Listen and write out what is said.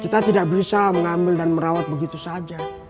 kita tidak bisa mengambil dan merawat begitu saja